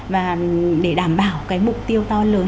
và để đảm bảo cái mục tiêu to lớn